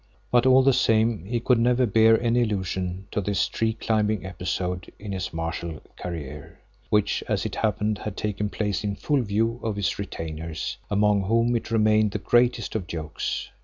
But all the same he could never bear any allusion to this tree climbing episode in his martial career, which, as it happened, had taken place in full view of his retainers, among whom it remained the greatest of jokes.